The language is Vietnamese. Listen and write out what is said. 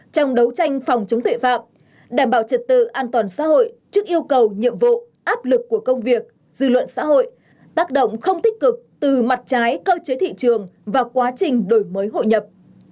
trong công việc dư luận xã hội tác động không tích cực từ mặt trái cơ chế thị trường và quá trình đổi mới hội nhập